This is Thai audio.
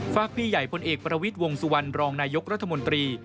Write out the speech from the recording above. พี่ใหญ่พลเอกประวิทย์วงสุวรรณรองนายกรัฐมนตรี